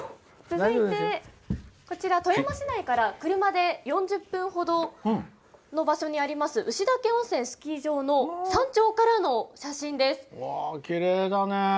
続いて、こちら富山市内から車で４０分ほどの場所にあります牛岳温泉スキー場のきれいだね。